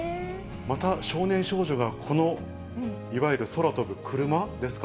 また少年少女が、このいわゆる空飛ぶクルマですか、